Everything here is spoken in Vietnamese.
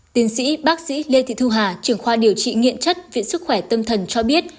tiến sĩ bác sĩ lê thị thu hà trưởng khoa điều trị nghiện chất viện sức khỏe tâm thần cho biết